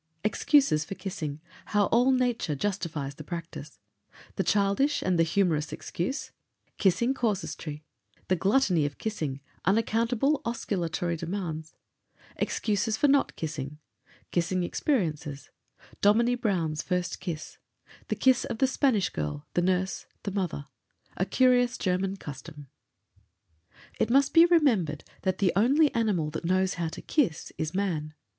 EXCUSES FOR KISSING; HOW ALL NATURE JUSTIFIES THE PRACTICE— THE CHILDISH AND THE HUMOROUS EXCUSE—KISSING CASUISTRY— THE GLUTTONY OF KISSING; UNACCOUNTABLE OSCULATORY DEMANDS—EXCUSES FOR NOT KISSING—KISSING EXPERIENCES— DOMINIE BROWN'S FIRST KISS—THE KISS OF THE SPANISH GIRL, THE NURSE, THE MOTHER—A CURIOUS GERMAN CUSTOM. It must be remembered that the only animal that knows how to kiss is man.